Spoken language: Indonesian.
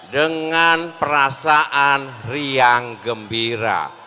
dengan perasaan riang gembira